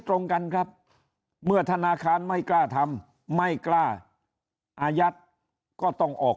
ตรงกันครับเมื่อธนาคารไม่กล้าทำไม่กล้าอายัดก็ต้องออก